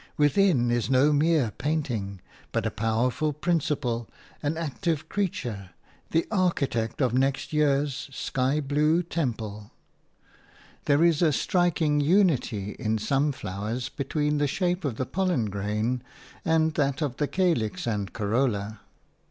Within is no mere painting, but a powerful principle, an active creature, the architect of next year's sky blue temple. There is a striking unity in some flowers between the shape of the pollen grain and that of the calix and corolla.